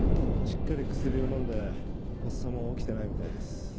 しっかり薬を飲んで発作も起きてないみたいです。